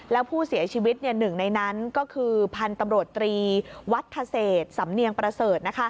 แล้วผู้เสียชีวิตหนึ่งในนั้นก็คือพันธุ์ตำรวจตรีวัฒเศษสำเนียงประเสริฐ